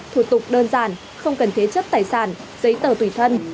thủ tục đơn giản không cần thế chấp tài sản giấy tờ tùy thân